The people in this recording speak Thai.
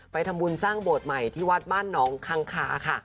ไปทำบุญสร้างโบสถ์ใหม่ที่วัดบ้านหนองคังคาค่ะ